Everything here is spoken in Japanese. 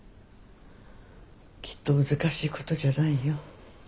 きっと難しいことじゃないよ。